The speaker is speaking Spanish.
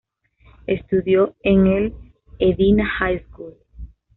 Estudió en el "Edina High School".